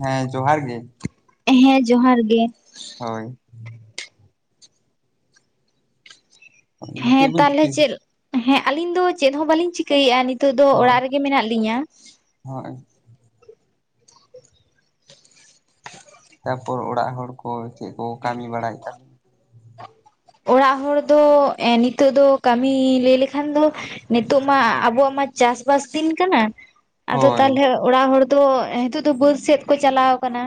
ᱦᱮᱸ ᱡᱚᱦᱟᱨ ᱜᱮ᱾ ᱦᱮᱸ ᱡᱚᱦᱟᱨ ᱜᱮ᱾ ᱦᱳᱭ ᱦᱮᱸ ᱪᱮᱫ ᱵᱤᱱ ᱛᱟᱦᱚᱞᱮ ᱪᱤᱠᱟᱹᱭ ᱪᱮᱫ? ᱦᱮᱸ ᱟᱞᱤᱧ ᱫᱚ ᱪᱮᱫ ᱦᱚᱸ ᱵᱟᱹᱞᱤᱧ ᱪᱤ- ᱠᱟᱹᱭ ᱮᱫ-ᱟ, ᱱᱤᱛᱚᱜ ᱫᱚ ᱦᱳᱭ ᱚᱲᱟᱜ ᱨᱮᱜᱮ ᱢᱮᱱᱟᱜ ᱞᱤᱧᱟᱹ᱾ ᱦᱳᱭ, ᱛᱟᱯᱚᱨ ᱚᱲᱟᱜ ᱦᱚᱲ ᱠᱚ ᱪᱮᱫ ᱠᱚ ᱠᱟᱹᱢᱤ ᱵᱟᱲᱟᱭ ᱠᱟᱱ? ᱚᱲᱟᱜ ᱦᱚᱲ ᱫᱚ ᱮᱸ ᱱᱤᱛᱚᱜ ᱫᱚ ᱠᱟᱹᱢᱤ ᱞᱟᱹᱭ ᱞᱮᱠᱷᱟᱱ ᱫᱚ ᱱᱤᱛᱚᱜ ᱢᱟ ᱟᱵᱚᱣᱟᱜ ᱢᱟ ᱪᱟᱥ-ᱵᱟᱥ ᱫᱤᱱ ᱠᱟᱱᱟ᱾ ᱟᱫᱚ ᱦᱳᱭ ᱛᱟᱦᱚᱞᱮ ᱚᱲᱟᱜ ᱦᱚᱲ ᱫᱚ ᱦᱤᱛᱚᱜ ᱫᱚ ᱵᱟᱹᱫᱽ ᱥᱮᱫ ᱠᱚ ᱪᱟᱞᱟᱣ ᱟᱠᱟᱱᱟ᱾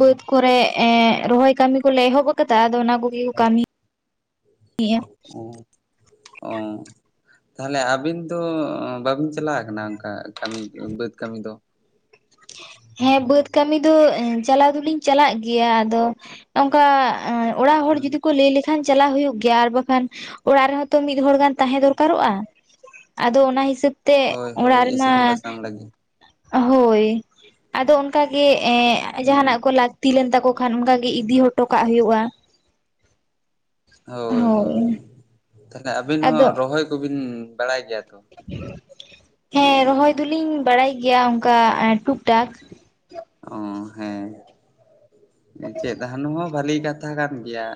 ᱵᱟᱹᱫᱽ ᱠᱚᱨᱮ ᱮᱸ ᱨᱚᱦᱚᱭ ᱠᱟᱹᱢᱤ ᱠᱚᱞᱮ ᱮᱦᱚᱵ ᱟᱠᱟᱫᱟ ᱟᱫᱚ ᱚᱱᱟ ᱠᱚ [unintelligible] ᱠᱟᱹᱢᱤ ᱮᱭᱟ᱾ ᱚ ᱛᱟᱦᱚᱞᱮ ᱟᱵᱤᱱ ᱫᱚ ᱵᱟᱵᱤᱱ ᱪᱟᱞᱟᱣ ᱠᱟᱱᱟ ᱚᱱᱠᱟ ᱠᱟᱹᱢᱤ ᱵᱟᱹᱫᱽ ᱠᱟᱹᱢᱤ ᱫᱚ? ᱦᱮᱸ ᱵᱟᱹᱫᱽ ᱠᱟᱹᱢᱤ ᱫᱚ ᱪᱟᱞᱟᱣ ᱫᱚᱞᱤᱧ ᱪᱟᱞᱟᱜ ᱜᱮᱭᱟ ᱟᱫᱚ ᱚᱱᱠᱟ ᱮᱸ ᱚᱲᱟᱜ ᱦᱚᱲ ᱡᱩᱫᱤ ᱠᱚ ᱞᱟᱹᱭ ᱞᱮᱠᱷᱟᱱ ᱪᱟᱞᱟᱜ ᱦᱩᱭᱩᱜ ᱜᱮᱭᱟ ᱟᱨ ᱵᱟᱠᱷᱟᱱ ᱚᱲᱟᱜ ᱨᱮᱦᱚᱸ ᱛᱚ ᱢᱤᱫ ᱦᱚᱲ ᱜᱟᱱ ᱛᱟᱦᱮᱸ ᱫᱚᱨᱠᱟᱨᱚᱜ-ᱟ᱾ ᱟᱫᱚ ᱚᱱᱟ ᱦᱤᱥᱟᱹᱵᱽ ᱛᱮ ᱦᱳᱭ ᱦᱳᱭ ᱚᱲᱟᱜ ᱨᱮᱢᱟ ᱤᱥᱤᱱ ᱵᱟᱥᱟᱝ ᱞᱟᱹᱜᱤᱫ ᱦᱳᱭ ᱟᱫᱚ ᱚᱱᱠᱟ ᱜᱮ ᱮᱸ ᱡᱟᱦᱟᱱᱟᱜ ᱠᱚ ᱞᱟᱹᱠ- ᱛᱤ ᱞᱮᱱ ᱛᱟᱠᱚ ᱠᱷᱟᱱ ᱚᱱᱠᱟ ᱜᱮ ᱤᱫᱤ ᱦᱚᱴᱚ ᱠᱟᱜ ᱦᱩᱭᱩᱜ-ᱟ᱾ ᱦᱳᱭ ᱦᱳᱭ ᱛᱟᱦᱚᱞᱮ ᱟᱵᱤᱱ ᱦᱚᱸ ᱟᱫᱚ ᱨᱚᱦᱚᱭ ᱠᱚᱵᱤᱱ ᱵᱟᱲᱟᱭ ᱜᱮᱭᱟ ᱛᱚ? ᱦᱮᱸ ᱨᱚᱦᱚᱭ ᱫᱚᱞᱤᱧ ᱵᱟᱲᱟᱭ ᱜᱮᱭᱟ ᱚᱱᱠᱟ ᱴᱩᱠᱴᱟᱠ᱾ ᱚ ᱦᱮᱸ ᱪᱮᱫ ᱦᱟᱱ ᱦᱚᱸ ᱵᱷᱟᱹᱞᱤ ᱠᱟᱛᱷᱟ ᱠᱟᱱ ᱜᱮᱭᱟ᱾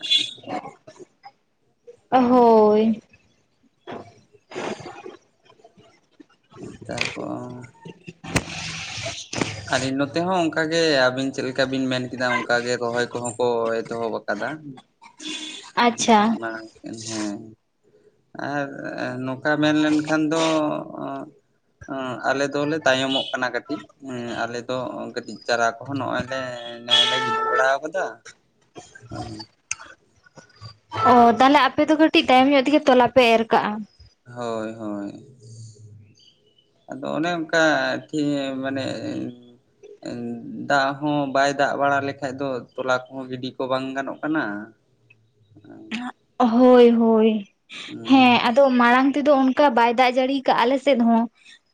ᱦᱳᱭ, ᱛᱟᱨᱯᱚᱨ ᱟᱞᱤᱧ ᱱᱚᱛᱮ ᱦᱚᱸ ᱚᱱᱠᱟ ᱜᱮ ᱟᱵᱤᱱ ᱪᱮᱫ ᱞᱮᱠᱟ ᱵᱤᱱ ᱢᱮᱱ- ᱠᱮᱫᱟ ᱚᱱᱠᱟ ᱜᱮ ᱨᱚᱦᱚᱭ ᱠᱚᱦᱚᱸ ᱠᱚ ᱮᱛᱚᱦᱚᱵ ᱟᱠᱟᱫᱟ᱾ ᱟᱪᱪᱷᱟ ᱢᱟᱲᱟᱝ ᱦᱮᱸ ᱟᱨ ᱱᱚᱝᱠᱟ ᱢᱮᱱ ᱞᱮᱱᱠᱷᱟᱱ ᱫᱚ ᱚᱸ ᱟᱞᱮ ᱫᱚᱞᱮ ᱛᱟᱭᱚᱢᱚᱜ ᱠᱟᱱᱟ ᱠᱟᱹᱴᱤᱡ᱾ ᱦᱮᱸ ᱟᱞᱮ ᱫᱚ ᱠᱟᱹᱴᱤᱡ ᱪᱟᱨᱟ ᱠᱚᱦᱚᱸ ᱱᱚᱜ-ᱚᱭ ᱞᱮ ᱱᱮ-ᱮᱸ ᱜᱤᱰᱤ ᱵᱟᱲᱟᱣ ᱟᱠᱟᱫᱟ᱾ ᱚ ᱚ ᱛᱟᱦᱚᱞᱮ ᱟᱯᱮ ᱫᱚ ᱠᱟᱹᱴᱤᱡ ᱛᱟᱭᱚᱢ ᱧᱚᱜ ᱛᱮᱜᱮ ᱛᱚᱞᱟ ᱯᱮ ᱮᱨ ᱠᱟᱜ-ᱟ᱾ ᱦᱳᱭ ᱦᱳᱭ, ᱟᱫᱚ ᱚᱱᱮ ᱚᱱᱠᱟ [unintelligible] ᱢᱟᱱᱮ ᱫᱟᱜ ᱦᱚᱸ ᱵᱟᱭ ᱫᱟᱜ ᱵᱟᱲᱟ ᱞᱮᱠᱷᱟᱡ ᱫᱚ ᱛᱚᱞᱟ ᱠᱚᱦᱚᱸ ᱜᱤᱰᱤ ᱠᱚ ᱵᱟᱝ ᱜᱟᱱᱚᱜ ᱠᱟᱱᱟ᱾ [inaudible] ᱦᱳᱭ ᱦᱳᱭ, ᱦᱮᱸ ᱟᱫᱚ ᱢᱟᱲᱟᱝ ᱛᱮᱫᱚ ᱚᱱᱠᱟ ᱵᱟᱭ ᱫᱟᱜ ᱡᱟᱹᱲᱤᱭ ᱟᱠᱟᱫ-ᱟ ᱟᱞᱮ ᱥᱮᱫ ᱦᱚᱸ᱾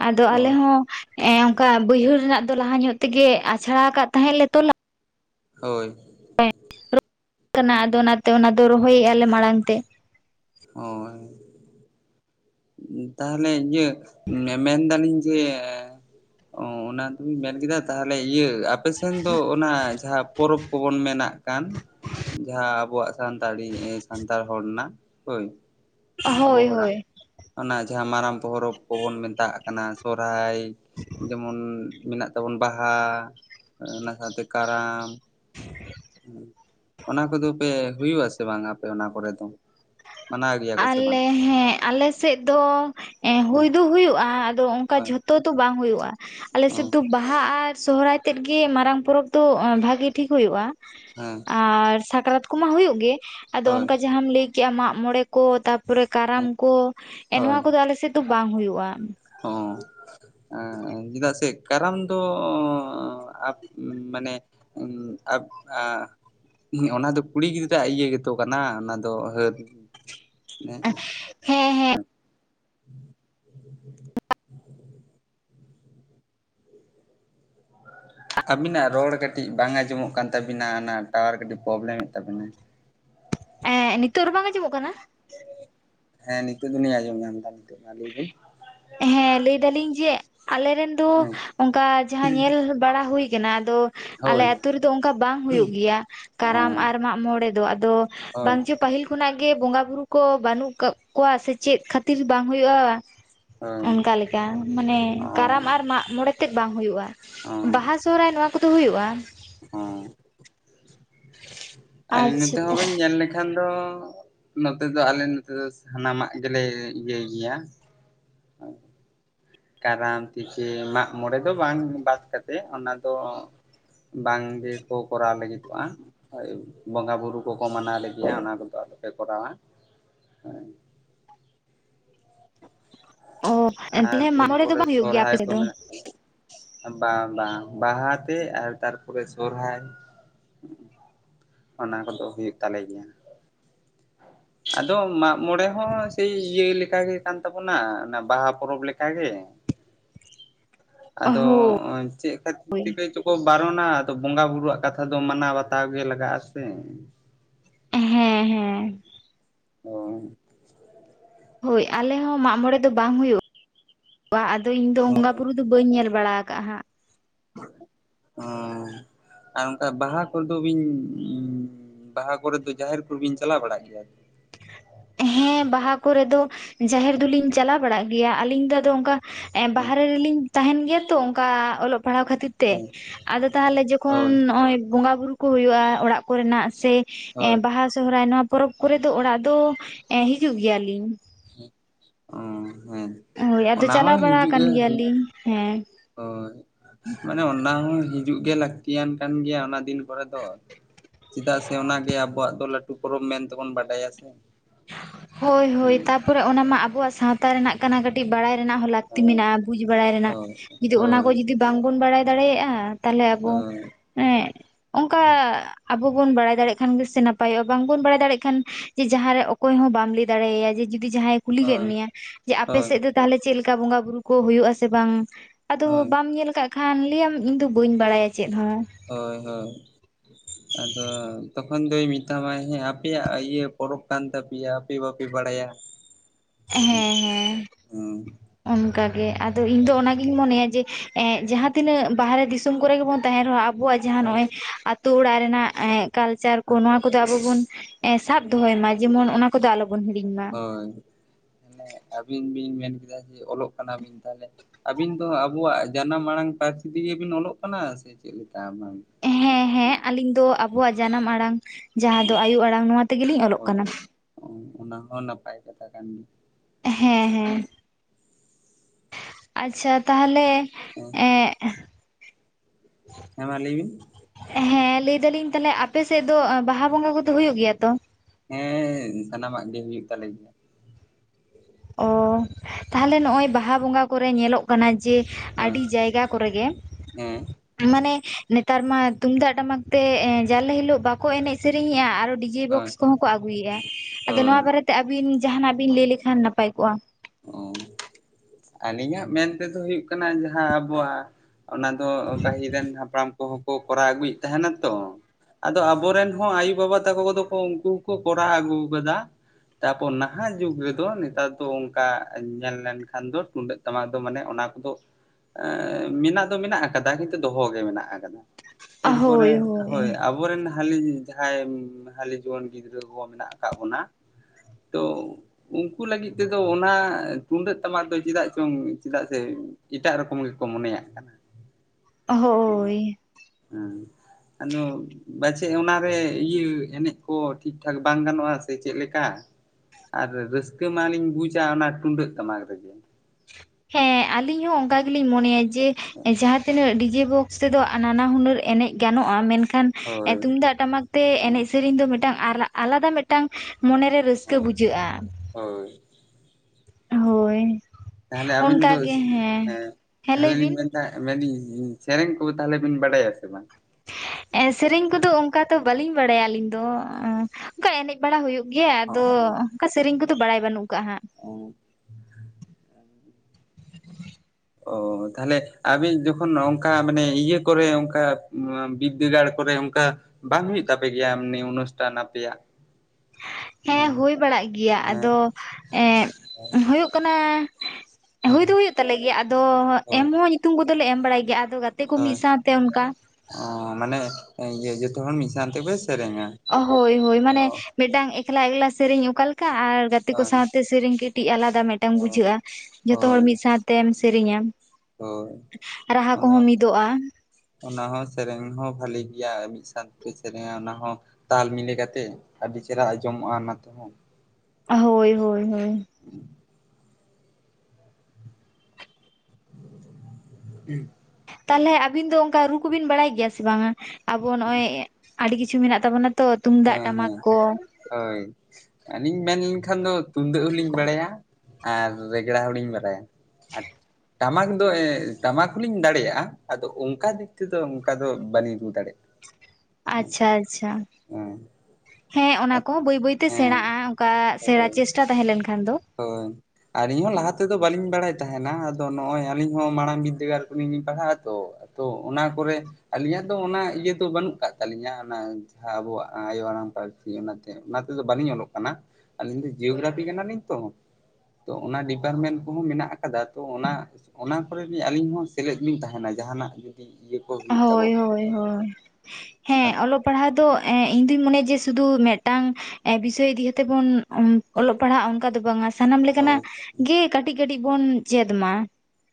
ᱟᱫᱚ ᱟᱞᱮ ᱦᱚᱸ ᱮ ᱚᱱᱠᱟ ᱵᱟᱹᱭᱦᱟᱹᱲ ᱨᱮᱱᱟᱜ ᱫᱚ ᱞᱟᱦᱟ ᱧᱚᱜ ᱛᱮᱜᱮ ᱟᱪᱷᱲᱟ ᱟᱠᱟᱫ ᱛᱟᱦᱮᱸᱜ ᱞᱮ ᱛᱚᱞᱟ᱾ ᱦᱳᱭ᱾ ᱠᱟᱱᱟ ᱟᱫᱚ ᱚᱱᱟ ᱛᱮ ᱚᱱᱟ ᱫᱚ ᱨᱚᱦᱚᱭᱮᱜ-ᱟ ᱞᱮ ᱢᱟᱲᱟᱝ ᱛᱮ᱾ ᱦᱳᱭ᱾ ᱛᱟᱦᱚᱞᱮ ᱤᱭᱟᱹ ᱢᱮ ᱢᱮᱱᱫᱟᱞᱤᱧ ᱡᱮ ᱚ ᱚᱱᱟ ᱫᱚᱞᱤᱧ ᱢᱮᱱ ᱠᱮᱫᱟ ᱛᱟᱦᱚᱞᱮ ᱤᱭᱟᱹ ᱟᱯᱮ ᱥᱮᱱ ᱫᱚ ᱚᱱᱟ ᱡᱟᱦᱟᱸ ᱯᱚᱨᱚᱵᱽ ᱠᱚᱵᱚᱱ ᱢᱮᱱᱟᱜ ᱠᱟᱱ, ᱡᱟᱦᱟᱸ ᱟᱵᱚᱣᱟᱜ ᱥᱟᱱᱛᱟᱲᱤᱧ ᱮ ᱥᱟᱱᱛᱟᱲ ᱦᱚᱲ ᱨᱮᱱᱟᱜ, ᱦᱳᱭ᱾ ᱟᱵᱚ ᱦᱳᱭ ᱦᱚᱲᱟᱜ, ᱦᱳᱭ ᱚᱱᱟ ᱡᱟᱦᱟᱸ ᱢᱟᱨᱟᱝ ᱯᱚᱨᱚᱵᱽ ᱠᱚᱵᱚᱱ ᱢᱮᱛᱟᱜ ᱠᱟᱱᱟ ᱥᱚᱨᱦᱟᱭ᱾ ᱡᱮᱢᱚᱱ ᱢᱮᱱᱟᱜ ᱛᱟᱵᱚᱱ ᱵᱟᱦᱟ ᱚᱱᱟ ᱥᱟᱶᱛᱮ ᱠᱟᱨᱟᱢ᱾ ᱚᱱᱟ ᱠᱚᱫᱚ ᱯᱮ ᱦᱩᱭᱩᱜ-ᱟ ᱥᱮ ᱵᱟᱝ ᱟᱯᱮ ᱚᱱᱟ ᱠᱚᱨᱮ ᱫᱚ? ᱢᱟᱱᱟᱣ ᱜᱮᱭᱟ ᱠᱚ ᱥᱮ ᱵᱟᱝ ᱟᱞᱮ ᱦᱮᱸ ᱟᱞᱮ ᱥᱮᱫ ᱫᱚ ᱮᱸ ᱦᱩᱭ ᱫᱚ ᱦᱩᱭᱩᱜ-ᱟ, ᱟᱫᱚ ᱚᱱᱠᱟ ᱦᱳᱭ ᱡᱷᱚ ᱛᱚ ᱫᱚ ᱵᱟᱝ ᱦᱩᱭᱩᱜ-ᱟ, ᱟᱞᱮ ᱥᱮᱫ ᱫᱚ ᱵᱟᱦᱟ ᱟᱨ ᱥᱚᱦᱨᱟᱭ ᱛᱮᱫ ᱜᱮ ᱢᱟᱨᱟᱝ ᱯᱚᱨᱚᱵᱽ ᱫᱚ ᱵᱷᱟᱹᱜᱤ ᱴᱷᱤᱠ ᱦᱩᱭᱩᱜ-ᱟ, ᱦᱮᱸ ᱟᱨ ᱥᱟᱠᱨᱟᱛ ᱠᱚᱢᱟ ᱦᱩᱭᱩᱜ ᱜᱮ, ᱟᱫᱚ ᱦᱳᱭ ᱚᱱᱠᱟ ᱡᱟᱦᱟᱸᱢ ᱞᱟᱹᱭ ᱠᱮᱜ-ᱟ ᱢᱟᱜ ᱢᱚᱬᱮ ᱠᱚ ᱛᱟ ᱯᱚᱨᱮ ᱦᱮᱸ ᱠᱟᱨᱟᱢ ᱠᱚ ᱮᱸ ᱱᱚᱣᱟ ᱠᱚᱫᱚ ᱟᱞᱮ ᱥᱮᱫ ᱫᱚ ᱵᱟᱝ ᱦᱩᱭᱩᱜᱼᱟ᱾ ᱚ ᱪᱮᱫᱟᱜ ᱥᱮ ᱠᱟᱨᱟᱢ ᱫᱚ ᱟᱯ ᱢᱟᱱᱮ ᱟᱯ ᱟ ᱚᱱᱟ ᱫᱚ ᱠᱩᱲᱤ ᱜᱤᱫᱽᱨᱟᱹᱣᱟᱜ ᱤᱭᱟᱹ ᱜᱮᱛᱚ ᱠᱟᱱᱟ ᱚᱱᱟ ᱫᱚ ᱦᱟᱹᱨ ᱦᱮᱸ ᱦᱮᱸ᱾ ᱟᱵᱤᱱᱟᱜ ᱨᱚᱲ ᱠᱟᱹᱴᱤᱡ ᱵᱟᱝ ᱟᱸᱡᱚᱢᱚᱜ ᱠᱟᱱ ᱛᱟᱵᱤᱱᱟ ᱚᱱᱟ ᱴᱟᱣᱟᱨ ᱠᱟᱹᱴᱤᱡ ᱯᱚᱵᱞᱮᱢ ᱮᱫ ᱛᱟᱵᱤᱱᱟᱭ᱾ ᱮᱸ ᱱᱤᱛᱚᱜ ᱨᱮ ᱵᱟᱝ ᱟᱸᱡᱚᱢᱚᱜ ᱠᱟᱱᱟ? ᱦᱮᱸ, ᱱᱤᱛᱚᱜ ᱫᱚᱞᱤᱧ ᱟᱸᱡᱚᱢ ᱧᱟᱢ ᱮᱫᱟ, ᱱᱤᱛᱚᱜ ᱢᱟ ᱞᱟᱹᱭ ᱵᱤᱱ। ᱦᱮᱸ, ᱞᱟᱹᱭ ᱫᱟᱞᱤᱧ ᱡᱮ ᱟᱞᱮᱨᱮᱱ ᱫᱚ ᱦᱮᱸ ᱚᱱᱠᱟ ᱡᱟᱦᱟᱸ ᱧᱮᱞ ᱵᱟᱲᱟ ᱦᱩᱭ ᱠᱟᱱᱟ ᱟᱫᱚ ᱟᱞᱮ ᱦᱳᱭ ᱟᱛᱩ ᱨᱮᱫᱚ ᱚᱱᱠᱟ ᱵᱟᱝ ᱦᱩᱭᱩᱜ ᱜᱮᱭᱟ ᱠᱟᱨᱟᱢ ᱦᱳᱭ ᱟᱨ ᱢᱟᱜᱽ ᱢᱚᱬᱮ ᱫᱚ, ᱟᱫᱚ ᱦᱳᱭ ᱵᱟᱝ ᱪᱚ ᱯᱟᱹᱦᱤᱞ ᱠᱷᱚᱱᱟᱜ ᱜᱮ ᱵᱚᱸᱜᱟ ᱵᱩᱨᱩ ᱠᱚ ᱵᱟᱹᱱᱩᱜ ᱠᱟᱜ ᱠᱚᱣᱟ ᱥᱮ ᱪᱮᱫ ᱠᱷᱟᱹᱛᱤᱨ ᱵᱟᱝ ᱦᱩᱭᱩᱜ-ᱟ᱾ ᱚᱱᱠᱟ ᱞᱮᱠᱟ ᱢᱟᱱᱮ ᱠᱟᱨᱟᱢ ᱟᱨ ᱢᱟᱜᱽ ᱢᱚᱬᱮ ᱛᱮᱫ ᱵᱟᱝ ᱦᱩᱭᱩᱜ-ᱟ, ᱵᱟᱦᱟ ᱥᱚᱦᱨᱟᱭ ᱱᱚᱣᱟ ᱠᱚᱫᱚ ᱦᱩᱭᱩᱜ-ᱟ᱾ ᱚ ᱟᱹᱞᱤᱧ ᱟᱪᱪᱷᱟ ᱱᱚᱛᱮ ᱦᱚᱸᱵᱤᱱ ᱧᱮᱞ ᱞᱮᱠᱷᱟᱱ ᱠᱷᱟᱱ ᱫᱚ ᱱᱚᱛᱮ ᱫᱚ ᱟᱞᱮ ᱱᱚᱛᱮ ᱫᱚ ᱥᱟᱱᱟᱢᱟᱜ ᱜᱮᱞᱮ ᱤᱭᱟᱹᱭ ᱜᱮᱭᱟ᱾ [unintelligible] ᱠᱟᱨᱟᱢ ᱛᱤᱛᱮ ᱢᱟᱜᱽᱢᱚᱬᱮ ᱫᱚ ᱵᱟᱝ ᱵᱟᱫ ᱠᱟᱛᱮ ᱚᱱᱟ ᱫᱚ ᱵᱟᱝ ᱜᱮᱠᱚ ᱠᱚᱨᱟᱣ ᱞᱟᱹᱜᱤᱫᱚᱜ-ᱟ, ᱵᱚᱸᱜᱟ ᱵᱩᱨᱩ ᱠᱚᱠᱚ ᱢᱟᱱᱟ ᱞᱮᱜᱮᱭᱟ, ᱚᱱᱟ ᱠᱚᱫᱚ ᱟᱞᱚᱯᱮ ᱠᱚᱨᱟᱣᱟ, ᱦᱮᱸ᱾ ᱚ ᱟᱨ ᱛᱟᱦᱚᱞᱮ ᱢᱟᱜ ᱢᱚᱬᱮ ᱫᱚ ᱮᱨᱯᱚᱨᱮ ᱵᱟᱝ ᱦᱩᱭᱩᱜ ᱜᱮᱭᱟ ᱟᱯᱮ ᱥᱚᱨᱦᱟᱭ ᱥᱮᱫ ᱠᱚ ᱫᱚ ᱢᱮᱱᱟᱜ-ᱟ᱾ ᱵᱟᱝ ᱵᱟᱝ ᱵᱟᱦᱟ ᱛᱮ ᱟᱨ ᱛᱟᱨᱯᱚᱨᱮ ᱥᱚᱨᱦᱟᱭ᱾ ᱚᱱᱟ ᱠᱚᱫᱚ ᱦᱩᱭᱩᱜ ᱛᱟᱞᱮ ᱜᱮᱭᱟ᱾ ᱟᱫᱚ ᱢᱟᱜᱽ ᱢᱚᱬᱮ ᱦᱚᱸ ᱥᱮᱭ ᱤᱭᱟᱹ ᱞᱮᱠᱟ ᱜᱮ ᱠᱟᱱ ᱛᱟᱵᱚᱱᱟ, ᱚᱱᱟ ᱵᱟᱦᱟ ᱯᱚᱨᱚᱵᱽ ᱞᱮᱠᱟ ᱜᱮ᱾ ᱟᱫᱚ ᱦᱳᱭ ᱪᱮᱫ ᱠᱷᱟᱹᱛᱤᱨ ᱪᱤᱠᱟᱹᱭ ᱪᱚ᱾ ᱠᱚ ᱵᱟᱨᱚᱱᱟ ᱟᱫᱚ ᱵᱚᱸᱜᱟ ᱵᱩᱨᱩᱣᱟᱜ ᱠᱟᱛᱷᱟ ᱫᱚ ᱢᱟᱱᱟᱣ ᱵᱟᱛᱟᱣ ᱜᱮ ᱞᱟᱜᱟᱜ-ᱟ ᱥᱮ᱾ ᱦᱮᱸ ᱦᱮᱸ᱾ ᱦᱳᱭ᱾ ᱦᱳᱭ, ᱟᱞᱮ ᱦᱚᱸ ᱢᱟᱜᱽ ᱢᱚᱬᱮ ᱫᱚ ᱵᱟᱝ ᱦᱩᱭᱩᱜ-ᱟ, ᱟᱫᱚ ᱤᱧ ᱫᱚ ᱦᱳᱭ ᱵᱚᱸᱜᱟ ᱵᱩᱨᱩ ᱫᱚ ᱵᱟᱹᱧ ᱧᱮᱞ ᱵᱟᱲᱟ ᱠᱟᱜ-ᱟ ᱦᱟᱸᱜ᱾ ᱚᱸ ᱟᱨ ᱚᱝᱠᱟ ᱵᱟᱦᱟ ᱠᱚᱫᱚ ᱵᱤᱱ ᱵᱟᱦᱟ ᱠᱚᱨᱮ ᱫᱚ ᱡᱟᱦᱮᱨ ᱠᱚᱨᱮ ᱵᱤᱱ ᱪᱟᱞᱟᱣ ᱵᱟᱲᱟᱜ ᱜᱮᱭᱟ? ᱦᱮᱸ ᱵᱟᱦᱟ ᱠᱚᱨᱮ ᱫᱚ ᱡᱟᱦᱮᱨ ᱫᱚᱞᱤᱧ ᱪᱟᱞᱟᱣ ᱵᱟᱲᱟᱜ ᱜᱮᱭᱟ ᱟᱞᱤᱧ ᱫᱚ ᱟᱫᱚ ᱚᱝᱠᱟ ᱮᱸ ᱵᱟᱦᱨᱮ ᱨᱮᱞᱤᱧ ᱛᱟᱦᱮᱱ ᱜᱮᱭᱟ ᱛᱚ ᱚᱝᱠᱟ ᱚᱞᱚᱜ ᱯᱟᱲᱦᱟᱣ ᱠᱷᱟᱹᱛᱤᱨ ᱛᱮ ᱦᱳᱭ ᱟᱫᱚ ᱛᱟᱦᱚᱞᱮ ᱡᱚᱠᱷᱚᱱ ᱦᱳᱭ ᱱᱚᱜᱚᱭ ᱵᱚᱸᱜᱟ ᱵᱩᱨᱩ ᱠᱚ ᱦᱩᱭᱩᱜᱼᱟ ᱚᱲᱟᱜ ᱠᱚᱨᱮ ᱱᱟᱜ ᱥᱮ ᱚ ᱮᱸ ᱵᱟᱦᱟ ᱥᱚᱨᱦᱟᱭ ᱱᱚᱣᱟ ᱯᱚᱨᱚᱵᱽ ᱠᱚᱨᱮ ᱫᱚ ᱚᱲᱟᱜ ᱫᱚ ᱮ ᱦᱤᱡᱩᱜ ᱜᱮᱭᱟ ᱞᱤᱧ ᱚᱸ ᱦᱮᱸ ᱦᱳᱭ ᱟᱫᱚ ᱚᱱᱟ ᱪᱟᱞᱟᱣ ᱦᱚᱸ ᱵᱟᱲᱟ ᱦᱤᱡᱩᱜ ᱟᱠᱟᱱ ᱜᱮ ᱜᱮᱭᱟᱞᱤᱧ ᱦᱮᱸ ᱦᱳᱭ ᱢᱟᱱᱮ ᱚᱱᱟ ᱦᱚᱸ ᱦᱤᱡᱩᱜ ᱜᱮ ᱞᱟᱹᱠᱛᱤᱭᱟᱱ ᱠᱟᱱ ᱜᱮᱭᱟ ᱚᱱᱟ ᱫᱤᱱ ᱠᱚᱨᱮ ᱫᱚ ᱪᱮᱫᱟᱜ ᱥᱮ ᱚᱱᱟᱜᱮ ᱟᱵᱚᱣᱟᱜ ᱫᱚ ᱞᱟᱹᱴᱩ ᱯᱚᱨᱚᱵᱽ ᱢᱮᱱ ᱛᱮᱵᱚᱱ ᱵᱟᱰᱟᱭᱟ ᱥᱮ ᱦᱳᱭ ᱦᱳᱭ ᱛᱟᱯᱚᱨᱮ ᱚᱱᱟᱢᱟ ᱟᱵᱚᱣᱟᱜ ᱥᱟᱶᱛᱟ ᱨᱮᱱᱟᱜ ᱠᱟᱱᱟ ᱠᱟᱹᱴᱤᱡ ᱵᱟᱲᱟᱭ ᱨᱮᱱᱟᱜ ᱦᱚᱸ ᱞᱟᱜ ᱞᱟᱹᱠᱛᱤ ᱦᱳᱭ ᱢᱮᱱᱟᱜᱼᱟ ᱵᱩᱡᱽ ᱵᱟᱲᱟᱭ ᱨᱮᱱᱟᱜ ᱦᱳᱭ ᱡᱩᱫᱤ ᱚᱱᱟ ᱠᱚ ᱦᱳᱭ ᱡᱩᱫᱤ ᱵᱟᱝᱵᱚᱱ ᱵᱟᱲᱟᱭ ᱫᱟᱲᱮᱭᱟᱜᱼᱟ ᱛᱟᱞᱦᱮ ᱟᱵᱚ ᱦᱮᱸ ᱚᱝᱠᱟ ᱟᱵᱚ ᱵᱚᱱ ᱵᱟᱲᱟᱭ ᱫᱟᱲᱮᱭᱟᱜ ᱠᱷᱟᱱᱜᱮ ᱥᱮ ᱱᱟᱯᱟᱭᱚᱜᱼᱟ ᱵᱟᱝᱵᱚᱱ ᱵᱟᱲᱟᱭ ᱫᱟᱲᱮᱭᱟᱜ ᱠᱷᱟᱱ ᱡᱮ ᱡᱟᱦᱟᱸᱨᱮ ᱚᱠᱚᱭ ᱦᱚᱸ ᱵᱟᱢ ᱞᱟᱹᱭ ᱫᱟᱲᱮᱭᱟᱭᱟ ᱡᱮ ᱡᱩᱫᱤ ᱡᱟᱦᱟᱸᱭᱮ ᱠᱩᱞᱤ ᱠᱮᱫ ᱦᱳᱭ ᱢᱮᱭᱟ ᱡᱮ ᱟᱯᱮ ᱦᱳᱭ ᱥᱮᱫ ᱫᱚ ᱛᱟᱦᱚᱞᱮ ᱪᱮᱜ ᱞᱮᱠᱟ ᱵᱚᱸᱜᱟ ᱵᱩᱨᱩ ᱠᱚ ᱦᱳᱭᱳ ᱟ ᱥᱮ ᱵᱟᱝ? ᱟᱫᱚ ᱵᱟᱢ ᱧᱮᱞ ᱠᱟᱜ ᱠᱷᱟᱱ ᱞᱟᱹᱭᱟᱢ ᱤᱧ ᱫᱚ ᱵᱟᱹᱧ ᱵᱟᱲᱟᱭᱟ ᱪᱮᱫ ᱦᱚᱸ ᱦᱳᱭ ᱦᱳᱭ ᱟᱫᱚ ᱛᱚᱠᱷᱚᱱ ᱫᱚᱭ ᱢᱮᱛᱟᱢᱟᱭ ᱦᱮᱸ ᱟᱯᱮᱭᱟᱜ ᱤᱭᱟᱹ ᱯᱚᱨᱚᱵᱽ ᱠᱟᱱ ᱛᱟᱯᱮᱭᱟ ᱟᱯᱮ ᱵᱟᱯᱮ ᱵᱟᱲᱟᱭᱟ ᱦᱩ ᱚᱱᱠᱟ ᱜᱮ ᱟᱫᱚ ᱤᱧ ᱫᱚ ᱚᱱᱟᱜᱮ ᱤᱧ ᱢᱚᱱᱮᱭᱟ ᱡᱮ ᱡᱟᱦᱟᱸ ᱛᱤᱱᱟᱹᱜ ᱵᱟᱦᱨᱮ ᱫᱤᱥᱚᱢ ᱠᱚᱨᱮ ᱜᱮᱵᱚᱱ ᱛᱟᱦᱮᱱ ᱨᱮᱦᱚᱸ ᱟᱵᱚᱣᱟᱜ ᱡᱟᱦᱟᱸ ᱱᱚᱜᱼᱚᱭ ᱟᱹᱛᱩ ᱚᱲᱟᱜ ᱨᱮᱱᱟᱜ ᱮᱸ ᱠᱟᱞᱪᱟᱨ ᱠᱚ ᱱᱚᱣᱟ ᱠᱚᱫᱚ ᱟᱵᱚ ᱵᱚᱱ ᱮᱸ ᱥᱟᱵ ᱫᱚᱦᱚᱭ ᱢᱟ ᱡᱮᱢᱚᱱ ᱚᱱᱟ ᱠᱚᱫᱚ ᱟᱞᱚᱵᱚᱱ ᱦᱤᱲᱤᱧ ᱢᱟ ᱦᱳᱭ ᱛᱟᱦᱮ ᱟᱵᱤᱱ ᱵᱤᱱ ᱢᱮᱱ ᱠᱮᱫᱟ ᱡᱮ ᱚᱞᱚᱜ ᱠᱟᱱᱟ ᱵᱤᱱ ᱛᱟᱦᱚᱞᱮ ᱟᱹᱵᱤᱱ ᱫᱚ ᱟᱵᱚᱣᱟᱜ ᱡᱟᱱᱟᱢ ᱟᱲᱟᱝ ᱯᱟᱹᱨᱥᱤ ᱛᱮᱜᱮ ᱵᱤᱱ ᱚᱞᱚᱜ ᱠᱟᱱᱟ ᱥᱮ ᱪᱮᱫᱮᱠᱟ? ᱦᱮᱸ ᱦᱮᱸ ᱟᱞᱤᱧ ᱫᱚ ᱟᱵᱚᱣᱟᱜ ᱡᱟᱱᱟᱢ ᱟᱲᱟᱝ ᱡᱟᱦᱟᱸ ᱫᱚ ᱟᱭᱩ ᱟᱲᱟᱝ ᱱᱚᱣᱟ ᱛᱮᱜᱮᱞᱤᱧ ᱚᱞᱚᱜ ᱠᱟᱱᱟ ᱾ ᱚ‌ ᱚᱱᱟ ᱦᱚᱸ ᱱᱟᱯᱟᱭ ᱠᱟᱛᱷᱟ ᱠᱟᱱ ᱜᱮ ᱾ ᱦᱮᱸ ᱦᱮᱸ ᱟᱪᱪᱷᱟ ᱛᱟᱦᱚᱞᱮ ᱦᱮᱸ ᱮᱸ ᱦᱮᱸ ᱢᱟ ᱞᱟᱹᱭ ᱵᱤᱱ ᱦᱮᱸ ᱞᱟᱹᱭ ᱫᱟᱞᱤᱧ ᱛᱟᱦᱚᱞᱮ ᱟᱯᱮᱥᱮᱫ ᱫᱚ ᱵᱟᱦᱟ ᱵᱚᱸᱜᱟ ᱠᱚᱫᱚ ᱦᱩᱭᱩᱜ ᱜᱮᱭᱟ ᱛᱚ? ᱦᱮᱸ ᱥᱟᱱᱟᱢᱟᱜ ᱜᱮ ᱦᱩᱭᱩᱜ ᱛᱟᱞᱮ ᱜᱮᱭᱟ ᱾ ᱚ ᱛᱟᱦᱚᱞᱮ ᱱᱚᱜᱼᱚᱭ ᱵᱟᱦᱟ ᱵᱚᱸᱜᱟ ᱠᱚᱨᱮ ᱧᱮᱞᱚᱜ ᱠᱟᱱᱟ ᱡᱮ ᱟᱹᱰᱤ ᱡᱟᱭᱜᱟ ᱠᱚᱨᱮᱜᱮ ᱦᱮᱸ ᱢᱟᱱᱮ ᱱᱮᱛᱟᱨ ᱢᱟ ᱛᱩᱢᱫᱟᱜ ᱴᱟᱢᱟᱠ ᱛᱮ ᱡᱟᱞᱮ ᱦᱤᱞᱚᱜ ᱵᱟᱠᱚ ᱮᱱᱮᱡ ᱥᱮᱨᱮᱧᱮᱜᱼᱟ ᱟᱨᱚ ᱰᱤ ᱡᱮ ᱦᱳᱭ ᱵᱚᱠᱥ ᱠᱚᱦᱚᱸ ᱠᱚ ᱟᱹᱜᱩᱭᱮᱜ-ᱟ ᱟᱫᱚ ᱦᱳᱭ ᱱᱚᱣᱟ ᱵᱟᱨᱮᱛᱮ ᱟᱹᱵᱤᱱ ᱡᱟᱦᱱᱟᱜ ᱵᱤᱱ ᱞᱟᱹᱭ ᱞᱮᱠᱷᱟᱱ ᱱᱟᱯᱟᱭ ᱠᱚᱜᱼᱟ ᱾ ᱚ ᱟᱹᱞᱤᱧᱟᱜ ᱢᱮᱱ ᱛᱮᱫᱚ ᱦᱩᱭᱩᱜ ᱠᱟᱱᱟ ᱡᱟᱦᱟᱸ ᱟᱵᱚᱣᱟᱜ ᱚᱱᱟ ᱫᱚ ᱯᱟᱹᱦᱤᱞ ᱨᱮᱱ ᱦᱟᱯᱲᱟᱢ ᱠᱚᱦᱚᱸ ᱠᱚ ᱠᱚᱨᱟᱣ ᱟᱹᱜᱩᱭᱮᱫ ᱛᱟᱦᱮᱱᱟ ᱛᱚ ᱟᱫᱚ ᱟᱵᱚᱨᱮᱱ ᱦᱚᱸ ᱟᱭᱩ ᱵᱟᱵᱟ ᱛᱟᱠᱚ ᱠᱚᱫᱚ ᱠᱚ ᱩᱱᱠᱩ ᱦᱚᱸ ᱠᱚ ᱠᱚᱨᱟᱣ ᱟᱹᱜᱩ ᱟᱠᱟᱫᱟ ᱾ ᱛᱟᱯᱚᱨ ᱱᱟᱦᱟᱜ ᱡᱩᱜᱽ ᱨᱮᱫᱚ ᱱᱮᱛᱟᱨ ᱫᱚ ᱠᱟ ᱧᱮᱞ ᱞᱮᱱᱠᱷᱟᱱ ᱫᱚ ᱴᱩᱸᱰᱧᱹᱜ ᱴᱟᱢᱟᱫᱚ ᱢᱟᱱᱮ ᱚᱱᱟ ᱠᱚᱫᱚ ᱢᱮᱱᱟᱜ ᱫᱚ ᱢᱮᱱᱟᱜ ᱟᱠᱟᱫᱟ ᱠᱤᱱᱛᱩ ᱫᱚᱦᱚ ᱜᱮ ᱢᱮᱱᱟᱜ ᱟᱠᱟᱫᱟ ᱮᱨᱯᱚᱨᱮ ᱦᱳᱭ ᱟᱵᱚ ᱟᱵᱚᱨᱮᱱ ᱦᱟᱹᱞᱤ ᱡᱟᱦᱟᱸᱭ ᱦᱟᱹᱞᱤ ᱡᱩᱣᱟᱹᱱ ᱜᱤᱫᱽᱨᱟᱹ ᱠᱚ ᱢᱮᱱᱟᱜ ᱟᱠᱟᱫ ᱵᱚᱱᱟ ᱛᱚ ᱩᱱᱠᱩ ᱞᱟᱹᱜᱤᱫ ᱛᱮ ᱫᱚ ᱚᱱᱟ ᱛᱩᱢᱫᱟᱹᱜ ᱴᱟᱢᱟᱠ ᱫᱚ ᱪᱮᱫᱟᱜ ᱪᱚᱝ ᱪᱮᱫᱟᱜ ᱥᱮ ᱮᱴᱟᱜ ᱨᱚᱠᱚᱢ ᱜᱮᱠᱚ ᱢᱚᱱᱮ ᱭᱟᱜ ᱠᱟᱱᱟ ᱾ [inaudible] ᱦᱳᱭ ᱦᱮᱸ ᱟᱫᱚ ᱯᱟᱪᱷᱮᱫ ᱚᱱᱟᱨᱮ ᱤᱭᱟᱹ ᱮᱱᱮᱡ ᱠᱚ ᱴᱷᱤᱠ ᱴᱷᱟᱠ ᱵᱟᱝ ᱜᱟᱱᱚᱜᱼᱟ ᱥᱮ ᱪᱮᱫ ᱞᱮᱠᱟ? ᱟᱨ ᱨᱟᱹᱥᱠᱟᱹ ᱢᱟ ᱞᱤᱧ ᱵᱩᱡᱟ ᱚᱱᱟ ᱛᱩᱢᱫᱟᱹᱜ ᱴᱟᱢᱟᱠ ᱨᱮᱜᱮ ᱦᱮᱸ ᱟᱞᱤᱧ ᱦᱚᱸ ᱚᱱᱠᱟ ᱜᱮ ᱞᱤᱧ ᱢᱚᱱᱮᱭᱟ ᱡᱮ ᱡᱟᱦᱟᱸᱛᱤᱱᱟᱹᱜ ᱰᱤᱡᱮ ᱵᱚᱠ ᱛᱮᱫᱚ ᱱᱟᱱᱟ ᱦᱩᱱᱟᱹᱨ ᱮᱱᱮᱡ ᱜᱟᱱᱚᱜᱼᱟ ᱢᱮᱱᱠᱷᱟᱱ ᱦᱳᱭ ᱛᱩᱢᱫᱟᱜ ᱛᱩᱢᱫᱟᱜ ᱴᱟᱢᱟᱠ ᱛᱮ ᱮᱱᱮᱡ ᱥᱮᱨᱮᱧ ᱫᱚ ᱢᱤᱫ ᱴᱟᱝ ᱟᱞᱟᱫᱟ ᱢᱤᱫᱴᱟᱝ ᱢᱚᱱᱮᱨᱮ ᱨᱟᱹᱥᱠᱟᱹ ᱵᱩᱡᱷᱟᱹᱜᱼᱟ ᱾ ᱦᱳᱭ ᱦᱳᱭ ᱛᱟᱦᱚᱞᱮ ᱟᱹᱵᱤᱱ ᱚᱱᱠᱟᱜ ᱜᱮ ᱦᱮᱸ ᱦᱮᱸ ᱞᱟᱹᱭ ᱵᱤᱱ ᱮᱸ ᱢᱮᱱᱫᱤᱧ ᱥᱮᱨᱮᱧ ᱠᱚ ᱛᱟᱦᱚᱞᱮ ᱵᱤᱱ ᱵᱟᱰᱟᱭᱟ ᱥᱮ ᱵᱟᱝ? ᱮᱸ ᱥᱮᱨᱮᱧ ᱠᱚᱫᱚ ᱚᱱᱠᱟ ᱛᱚ ᱵᱟᱹᱞᱤᱧ ᱵᱟᱲᱟᱭᱟ ᱟᱹᱞᱤᱧ ᱫᱚ ᱚᱱᱠᱟ ᱮᱱᱮᱡ ᱵᱟᱲᱟ ᱦᱩᱭᱩᱜ ᱜᱮᱭᱟ ᱚ ᱟᱫᱚ ᱚᱱᱠᱟ ᱥᱮᱨᱮᱧ ᱠᱚᱫᱚ ᱵᱟᱲᱟᱭ ᱵᱟᱹᱱᱩᱜ ᱟᱠᱟᱜ-ᱟ ᱦᱟᱸᱜ ᱟᱨ ᱚ ᱛᱟᱦᱞᱮ ᱟᱵᱤᱱ ᱡᱚᱠᱷᱚᱱ ᱚᱱᱠᱟ ᱢᱟᱱᱮ ᱤᱭᱟᱹ ᱠᱚᱨᱮ ᱚᱱᱠᱟ ᱵᱤᱫᱽᱫᱟᱹᱜᱟᱲ ᱠᱚᱨᱮ ᱦᱚᱸ ᱚᱱᱠᱟ ᱵᱟᱝ ᱦᱩᱭᱩᱜ ᱛᱟᱯᱮ ᱜᱮᱭᱟ ᱮᱢᱱᱤ ᱚᱱᱩᱥᱴᱷᱟᱱ ᱟᱯᱮᱭᱟᱜ? ᱦᱮᱸ ᱦᱩᱭ ᱵᱟᱲᱟ ᱜᱮᱭᱟ ᱦᱮᱸ ᱟᱫᱚ ᱮ ᱦᱩᱭᱩᱜ ᱠᱟᱱᱟ᱾ ᱦᱮᱸ ᱦᱩᱭ ᱫᱚ ᱦᱩᱭᱩᱜ ᱛᱟᱞᱮ ᱜᱮᱭᱟ ᱟᱫᱚ ᱦᱳᱭ ᱮᱢ ᱦᱚᱸ ᱧᱩᱛᱩᱢ ᱠᱚᱫᱚᱞᱮ ᱮᱢ ᱵᱟᱲᱟᱭ ᱜᱮᱭᱟ ᱟᱫᱚ ᱜᱟᱛᱮ ᱠᱚ ᱢᱤᱫ ᱦᱳᱭ ᱥᱟᱶᱛᱮ ᱚᱱᱠᱟ ᱚ ᱢᱟᱱᱮ ᱤᱭᱟᱹ ᱡᱚᱛᱚ ᱦᱚᱲ ᱢᱤᱫ ᱥᱟᱶ ᱛᱮᱯᱮ ᱥᱮᱨᱮᱧᱟ ᱾ ᱦᱳᱭ ᱦᱳᱭ ᱢᱟᱱᱮ ᱢᱤᱫᱴᱟᱝ ᱮᱠᱞᱟ ᱮᱠᱞᱟ ᱥᱮᱨᱮᱧ ᱚᱠᱟ ᱞᱮᱠᱟ ᱟᱨ ᱜᱟᱛᱮ ᱠᱚ ᱥᱟᱶᱛᱮ ᱥᱮᱨᱮᱧ ᱠᱟᱹᱴᱤᱡ ᱟᱞᱟᱫᱟ ᱢᱤᱫᱴᱟᱝ ᱵᱩᱡᱷᱟᱹᱜᱼᱟ ᱡᱷᱚᱛᱚ ᱦᱚᱲ ᱦᱳᱭ ᱢᱤᱫ ᱥᱟᱶ ᱛᱮᱢ ᱥᱮᱨᱮᱧᱟ ᱦᱳᱭ ᱾ ᱨᱟᱦᱟ ᱚᱱᱟ ᱠᱚᱦᱚᱸ ᱢᱤᱫᱚᱜᱼᱟ ᱾ ᱚᱱᱟ ᱦᱚᱸ ᱥᱮᱨᱮᱧ ᱦᱚᱸ ᱵᱷᱟᱞᱤ ᱜᱮᱭᱟ ᱟᱨ ᱢᱤᱫ ᱥᱟᱶ ᱛᱮᱯᱮ ᱥᱮᱨᱮᱧᱟ ᱚᱱᱟ ᱦᱚᱸ ᱛᱟᱞ ᱢᱤᱞᱮ ᱠᱟᱛᱮᱜ ᱟᱹᱰᱤ ᱪᱮᱦᱨᱟ ᱟᱸᱡᱚᱢᱚᱜᱼᱟ ᱱᱟᱛᱮ ᱦᱚᱸ ᱦᱳᱭ ᱦᱳᱭ ᱦᱳᱭ ᱦᱮᱸ [unintelligible] ᱛᱟᱦᱚᱞᱮ ᱟᱵᱤᱱ ᱫᱚ ᱚᱱᱠᱟ ᱨᱩ ᱠᱚᱵᱤᱱ ᱵᱟᱲᱟᱭ ᱜᱮᱭᱟ ᱥᱮ ᱵᱟᱝᱟ ᱟᱵᱚ ᱱᱚᱜᱼᱚᱭ ᱟᱹᱰᱤ ᱠᱤᱪᱷᱩ ᱢᱮᱱᱟᱜ ᱛᱟᱵᱚᱱᱟ ᱛᱚ ᱛᱩᱢᱫᱟᱜ ᱦᱮᱸ ᱴᱟᱢᱟᱠ ᱦᱮᱸ ᱠᱚ ᱦᱳᱭ ᱟᱹᱞᱤᱧ ᱢᱮᱱᱞᱮᱱᱠᱷᱟᱱ ᱫᱚ ᱛᱩᱢᱫᱟᱹᱜ ᱦᱚᱞᱤᱧ ᱵᱟᱲᱟᱭᱟ᱾ ᱟᱨ ᱨᱮᱜᱽᱲᱟ ᱦᱚᱞᱤᱧ ᱵᱟᱲᱟᱭᱟ ᱟᱨ ᱴᱟᱢᱟᱠ ᱫᱚ ᱴᱟᱢᱟᱠ ᱦᱚᱞᱤᱧ ᱫᱟᱲᱮᱭᱟᱜᱼᱟ ᱟᱫᱚ ᱚᱱᱠᱟ ᱫᱤᱠ ᱛᱮᱫᱚ ᱚᱱᱠᱟ ᱫᱚ ᱵᱟᱟᱹᱞᱤᱧ ᱨᱩ ᱫᱟᱲᱮᱭᱟᱜᱼᱟ‍᱾ [inaudible] ᱟᱪᱪᱷᱟ ᱟᱪᱪᱷᱟ ᱮᱸ ᱦᱮᱸ ᱚᱱᱟ ᱠᱚ ᱦᱚ ᱵᱟᱹᱭ ᱵᱟᱹᱭ ᱛᱮ ᱥᱮᱬᱟᱜᱼᱟ ᱚᱱᱠᱟ ᱥᱮᱬᱟ ᱦᱳᱭ ᱪᱮᱥᱴᱟ ᱛᱟᱦᱮᱸ ᱞᱮᱱ ᱠᱷᱟᱱ ᱫᱚ ᱦᱳᱭ ᱟᱨ ᱤᱧᱦᱚᱸ ᱞᱟᱦᱟ ᱛᱮᱫᱚ ᱵᱟᱹᱞᱤᱧ ᱵᱟᱲᱟᱭ ᱛᱟᱦᱮᱱᱟ ᱟᱫᱚ ᱱᱚᱜᱼᱚᱭ ᱟᱹᱞᱤᱧ ᱦᱚᱸ ᱢᱟᱲᱟᱝ ᱵᱤᱫᱽᱫᱟᱹᱜᱟᱲ ᱠᱷᱚᱱ ᱞᱤᱧ ᱯᱟᱲᱦᱟᱜᱼᱟ ᱛᱚ ᱛᱚ ᱚᱱᱟ ᱠᱚᱨᱮ ᱟᱹᱞᱤᱧᱟᱜ ᱫᱚ ᱚᱱᱟ ᱤᱭᱟᱹ ᱫᱚ ᱵᱟᱹᱱᱩᱜ ᱟᱠᱟᱫ ᱛᱟᱹᱞᱤᱧᱟ ᱚᱱᱟ ᱡᱟᱦᱟᱸ ᱟᱵᱚᱣᱟᱜ ᱟᱭᱳ ᱟᱲᱟᱝ ᱯᱟᱹᱨᱥᱤ ᱚᱱᱟᱛᱮ ᱚᱱᱟ ᱛᱮᱫᱚ ᱵᱟᱹᱞᱤᱧ ᱚᱞᱚᱜ ᱠᱟᱱᱟ ᱟᱹᱞᱤᱧ ᱫᱚ ᱡᱤᱭᱳᱜᱨᱟᱯᱷᱤ ᱠᱟᱱᱟᱞᱤᱧ ᱛᱚ ᱛᱚ ᱚᱱᱟ ᱰᱤᱯᱟᱨᱢᱮᱱᱴ ᱠᱚᱦᱚᱸ ᱢᱮᱱᱟᱜ ᱟᱠᱟᱫᱟ ᱛᱚ ᱚᱱᱟ ᱚᱱᱟ ᱠᱚᱨᱮ ᱜᱮ ᱟᱹᱞᱤᱧ ᱦᱚᱸ ᱥᱮᱞᱮᱫ ᱞᱤᱧ ᱛᱟᱦᱮᱱᱟ ᱡᱟᱦᱟᱱᱟᱜ ᱡᱩᱫᱤ ᱤᱭᱟᱹ ᱠᱚ ᱦᱩᱭᱩᱜ ᱛᱟᱠᱚ ᱦᱳᱭ ᱠᱷᱟᱡ ᱫᱚ ᱦᱳᱭ ᱦᱮᱸ ᱚᱞᱚᱜ ᱯᱟᱲᱦᱟᱜ ᱫᱚ ᱤᱧ ᱫᱩᱧ ᱢᱚᱱᱮᱭᱟ ᱡᱮ ᱥᱩᱫᱩ ᱢᱤᱫᱴᱟᱝ ᱵᱤᱥᱚᱭ ᱤᱫᱤ ᱠᱟᱛᱮᱜ ᱵᱚᱱ ᱚᱞᱚᱜ ᱯᱟᱲᱦᱟᱜ ᱟ ᱚᱱᱠᱟ ᱫᱚ ᱵᱟᱝᱟ ᱥᱟᱱᱟᱢ ᱞᱮᱠᱟᱱᱟᱜ, ᱦᱳᱭ ᱜᱮ ᱠᱟᱹᱴᱤᱡ ᱠᱟᱹᱴᱤᱡ ᱵᱚᱱ ᱪᱮᱫ ᱢᱟ᱾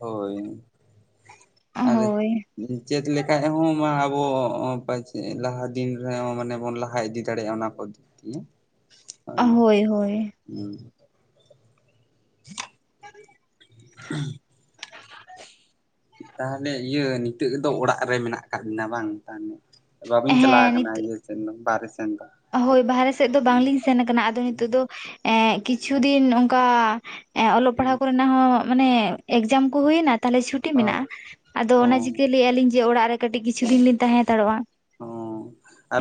ᱦᱳᱭ ᱟᱫ ᱦᱳᱭ ᱪᱮᱫ ᱞᱮᱠᱷᱟᱡ ᱦᱚᱸ ᱟᱵᱚ ᱢᱟᱪᱮᱫ ᱞᱟᱦᱟ ᱫᱤᱱ ᱨᱮᱦᱚᱸ ᱢᱟᱱᱮ ᱵᱚᱱ ᱞᱟᱦᱟ ᱤᱫᱤᱼᱼ ᱫᱟᱲᱮ ᱚᱱᱟ ᱠᱚ ᱫᱤᱠ ᱫᱤᱭᱮ᱾ ᱦᱳᱭ ᱦᱳᱭ ᱦᱩᱸ [unintelligible] [unintelligible] ᱛᱟᱦᱚᱸᱞᱮ ᱤᱭᱟᱹ ᱱᱤᱛᱚᱜ ᱫᱚ ᱚᱲᱟᱜ ᱨᱮ ᱢᱮᱱᱟᱜ ᱟᱠᱟᱫ ᱵᱤᱱᱟ ᱵᱟᱝ᱾ ᱛᱟᱦ ᱵᱟᱵᱟᱹᱧ ᱪᱟᱞᱟᱣ ᱦᱮᱸ ᱱᱤᱛ ᱠᱟᱱᱟ ᱤᱭᱟᱹ ᱥᱮᱱ ᱫᱚ ᱵᱟᱦᱦᱨᱮ ᱥᱮᱱ ᱫᱚ᱾ ᱦᱳᱭ ᱵᱟᱨᱨᱮ ᱥᱮᱫ ᱫᱚ ᱵᱟᱝᱞᱤᱧ ᱥᱮᱱ ᱠᱟᱱᱟ ᱟᱫᱚ ᱱᱤᱛᱚᱜᱜ ᱫᱚ ᱮ ᱠᱤᱪᱷᱩ ᱫᱤᱱ ᱚᱱᱠᱟ᱾ ᱮᱸ ᱚᱞᱚᱜ ᱯᱟᱲᱦᱟᱣ ᱠᱚᱨᱮᱱᱟᱜ ᱦᱚᱸ ᱢᱟᱱᱮ ᱮᱠᱡᱟᱢ ᱠᱚ ᱦᱩᱭᱱᱟ ᱛᱟᱦᱚᱸᱞᱮ ᱪᱷᱩᱴᱤ ᱦᱳᱭ ᱢᱮᱱᱟᱜ-ᱟ᱾ ᱟᱫᱚ ᱚᱱᱟ ᱦᱚᱸ ᱪᱤᱠᱟᱹ ᱞᱟᱹᱭᱮᱜᱼᱟᱞᱤᱧ ᱡᱮ ᱚᱲᱟᱜ ᱨᱮ ᱠᱟᱹᱴᱤᱡ ᱠᱤᱪᱷᱩᱧ ᱞᱧ ᱛᱟᱦᱮᱸ ᱦᱟᱛᱟᱲᱚᱜᱼᱟ᱾ ᱚ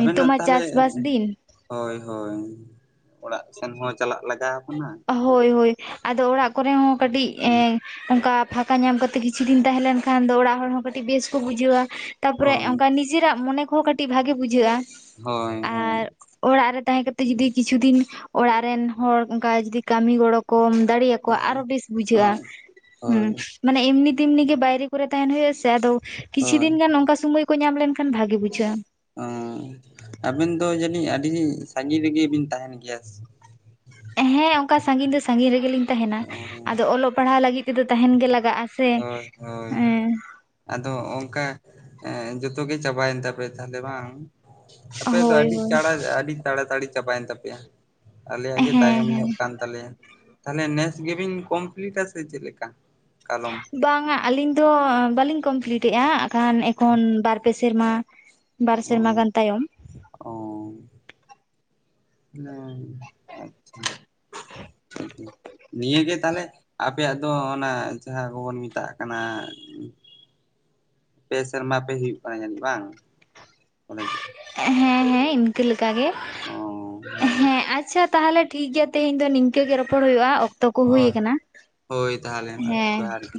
ᱱᱤᱛᱚᱜ ᱢᱟ ᱛᱟᱦᱚᱞᱮᱼᱼ ᱪᱟᱥᱵᱟᱥ ᱫᱤᱱ ᱦᱳᱭ ᱦᱳᱭ, ᱚᱲᱟᱜ ᱥᱮᱱ ᱦᱚᱸ ᱪᱟᱞᱟᱜ ᱞᱟᱜᱟᱣ ᱠᱟᱱᱟ᱾ ᱦᱳᱭ ᱦᱳᱭ ᱟᱫᱚ ᱚᱲᱟᱜ ᱠᱚᱨᱮ ᱦᱚᱸ ᱠᱟᱹᱴᱤᱡ ᱮᱼᱼ ᱚᱱᱠᱟ ᱯᱷᱟᱸᱠᱟ ᱧᱟᱢ ᱠᱟᱛᱮ ᱠᱤᱪᱷᱩ ᱫᱤᱱ ᱛᱟᱦᱮᱸ ᱞᱮᱱᱠᱷᱟᱱ ᱫᱚ ᱚᱲᱟᱜ ᱦᱚᱲ ᱦᱚᱸ ᱠᱟᱹᱴᱤᱡ ᱵᱮᱥ ᱠᱚ ᱵᱩᱡᱷᱟᱹᱣᱟ᱾ ᱛᱟᱯᱚᱨᱮ ᱦᱳᱭ ᱚᱱᱠᱟ ᱱᱤᱡᱮᱨᱟᱜ ᱢᱚᱱᱮ ᱠᱚᱦᱚᱸ ᱠᱟᱹᱴᱤᱡ ᱵᱷᱟᱜᱮ ᱵᱩᱡᱷᱟᱹᱜᱼᱟ᱾ ᱦᱳᱭ ᱦᱳᱭ ᱟᱨ ᱚᱲᱟᱜ ᱨᱮ ᱛᱟᱦᱮᱸ ᱠᱟᱛᱮ ᱡᱩᱫᱤ ᱠᱤᱪᱷᱩ ᱫᱤᱱ ᱚᱲᱟᱜ ᱨᱮᱱ ᱦᱚᱲ ᱚᱱᱠᱟ ᱡᱩᱫᱤ ᱠᱟᱹᱢᱤ ᱜᱚᱲᱚᱼᱼ ᱠᱚᱢ ᱫᱟᱲᱮᱭᱟᱠᱚᱣᱟ ᱦᱳᱭ ᱟᱨᱚ ᱵᱮᱥ ᱵᱩᱡᱷᱟᱹᱜ-ᱟ᱾ ᱦᱳᱭ ᱦᱩᱸ ᱦᱳᱭ ᱢᱟᱱᱮ ᱮᱢᱱᱤ ᱛᱮᱢᱱᱤ ᱜᱮ ᱵᱟᱭᱨᱮ ᱠᱚᱨᱮ ᱛᱟᱦᱮᱱ ᱦᱳᱭᱳᱜ-ᱟ ᱥᱮ ᱟᱫᱚ ᱠᱤᱪᱷᱩ ᱦᱳᱭ ᱫᱤᱱ ᱜᱟᱱ ᱚᱱᱠᱟ ᱥᱩᱢᱚᱭᱼᱼ ᱠᱚ ᱧᱟᱢ ᱞᱮᱱᱠᱷᱟᱱ ᱵᱷᱟᱜᱮ ᱵᱩᱡᱷᱟᱹᱜᱼᱟ᱾ ᱚᱻ ᱟᱵᱤᱱ ᱫᱚ ᱡᱟᱹᱱᱤᱡ ᱟᱹᱰᱤ ᱥᱟᱺᱜᱤᱧ ᱨᱮᱜᱮᱵᱤᱱ ᱛᱟᱦᱮᱸᱱ ᱜᱮᱭᱟ᱾ ᱦᱮᱸ ᱚᱱᱠᱟ ᱥᱟᱺᱜᱤᱧ ᱫᱚ ᱥᱟᱺᱜᱤᱧ ᱨᱮᱜᱮᱞᱤᱧ ᱛᱟᱦᱮᱱᱟ ᱚ ᱟᱫᱚ ᱚᱞᱚᱜ ᱯᱟᱲᱦᱟᱜ ᱞᱟᱹᱜᱤᱫᱼᱼ ᱛᱮᱫᱚ ᱛᱟᱦᱮᱱ ᱜᱮ ᱞᱟᱜᱟᱜᱼᱟ ᱥᱮ ᱦᱳᱭ ᱦᱳᱭ ᱮᱼᱼ ᱟᱫᱚ ᱚᱱᱠᱟ ᱮ ᱡᱚᱛᱚ ᱜᱮ ᱪᱟᱵᱟᱭᱮᱱ ᱛᱟᱯᱮᱭᱟ ᱛᱟᱦᱞᱮ ᱵᱟᱝ? ᱟᱯᱮ ᱫᱚ ᱦᱳᱭ ᱟᱹᱰᱤ ᱦᱳᱭ ᱪᱟᱬᱟ ᱟᱹᱰᱤᱼᱼ ᱛᱟᱲᱟᱛᱟᱲᱤ ᱪᱟᱵᱟᱭᱮᱱ ᱛᱟᱯᱮᱭᱟ ᱟᱞᱮᱭᱟᱜ ᱜᱮ ᱦᱮᱸ ᱛᱟᱭᱚᱢ ᱦᱮᱸ ᱧᱚᱜ ᱠᱟᱱᱼᱼ ᱛᱟᱞᱮᱭᱟ ᱛᱟᱞᱮ ᱱᱮᱥ ᱜᱮᱵᱤᱱ ᱠᱚᱢᱯᱞᱤᱴᱟ ᱥᱮ ᱪᱮᱫ ᱞᱮᱠᱟ ᱠᱟᱞᱚᱢ ᱵᱟᱝᱼᱟ ᱟᱹᱞᱤᱧ ᱫᱚ ᱵᱟᱞᱤᱧ ᱠᱚᱢᱯᱞᱤᱴ ᱮᱜᱼᱟ ᱟᱠᱷᱚᱱ ᱮᱠᱷᱚᱱ ᱵᱟᱨ ᱯᱮ ᱥᱮᱨᱢᱟ ᱵᱟᱨ ᱥᱮᱨᱢᱟ ᱚ ᱜᱟᱱ ᱛᱟᱭᱚᱢ ᱚ ᱤᱱᱟᱹ ᱟᱪᱪᱷᱟ ᱴᱷᱤᱠ ᱜᱮᱭᱟ ᱱᱤᱭᱟᱹ ᱜᱮ ᱛᱟᱦᱞᱮ ᱟᱯᱮᱭᱟᱜ ᱫᱚ ᱚᱱᱟ ᱡᱟᱦᱟᱸ ᱠᱚᱵᱚᱱ ᱢᱮᱛᱟᱜ ᱠᱟᱱᱟ ᱯᱮ ᱥᱮᱨᱢᱟ ᱯᱮ ᱦᱩᱭᱩᱜ ᱠᱟᱱᱟ ᱡᱟᱹᱱᱤᱡ ᱵᱟᱝ ᱚᱱ ᱡᱮ? ᱦᱮᱸ ᱦᱮᱸ ᱤᱱᱠᱟᱹ ᱞᱮᱠᱟ ᱜᱮ ᱚ ᱦᱳᱭ ᱦᱮᱸ ᱟᱪᱪᱷᱟ ᱛᱟᱦᱚᱞᱮ ᱴᱷᱤᱠ ᱜᱮᱭᱟ ᱛᱮᱦᱮᱧ ᱫᱚ ᱱᱤᱝᱠᱟᱹ ᱜᱮ ᱨᱚᱯᱚᱲ ᱦᱩᱭᱩᱜᱼᱟ ᱚᱠᱛᱚ ᱠᱚ ᱦᱩᱭ ᱦᱳᱭ ᱠᱟᱱᱟ ᱦᱳᱭ ᱛᱟᱦᱚᱞᱮ ᱦᱮᱸ ᱡᱚᱦᱟᱨ ᱜᱮ